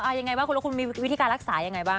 ยังไงบ้างคุณแล้วคุณมีวิธีการรักษายังไงบ้าง